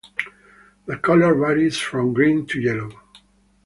The color varies from green to yellow.